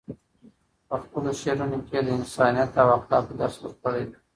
په خپلو شعرونو کې یې د انسانیت او اخلاقو درس ورکړی دی.